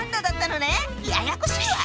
ややこしいわ！